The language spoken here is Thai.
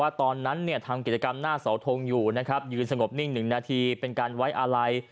ว่าตอนนั้นทำกิจกรรมหน้าสะทงอยู่ยืนสงบนิ่ง๑นาทีเป็นการไว้อาไล